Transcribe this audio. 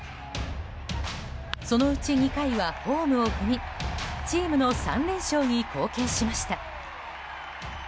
そのうち２回はホームを踏みチームの３連勝に貢献しました。